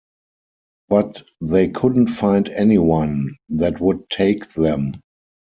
But they couldn't find anyone that would take them.